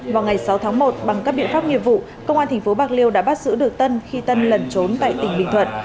vào ngày sáu tháng một bằng các biện pháp nghiệp vụ công an tp bạc liêu đã bắt giữ được tân khi tân lẩn trốn tại tỉnh bình thuận